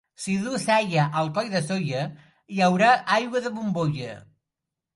Si duu cella el coll de Sóller, hi haurà aigua de bombolla.